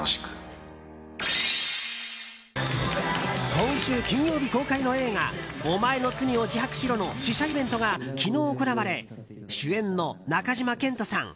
今週金曜日公開の映画「おまえの罪を自白しろ」の試写イベントが昨日行われ主演の中島健人さん